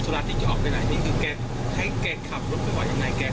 พูดจาน่ารักเนี่ยพูดแบบลูกหลานน่ารัก